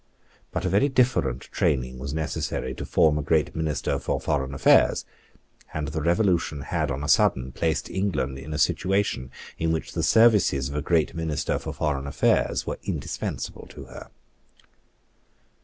But a very different training was necessary to form a great minister for foreign affairs; and the Revolution had on a sudden placed England in a situation in which the services of a great minister for foreign affairs were indispensable to her.